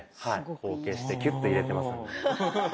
後傾してキュッと入れてますので。